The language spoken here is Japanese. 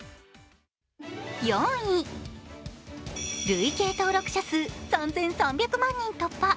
累計登録者数３３００万人突破。